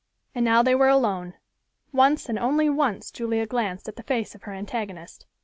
And now they were alone. Once and only once Julia glanced at the face of her antagonist.